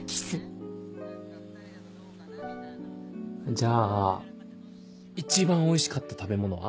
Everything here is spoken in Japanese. じゃあ一番おいしかった食べ物は？